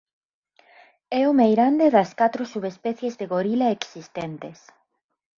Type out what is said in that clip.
É o meirande das catro subespecies de gorila existentes.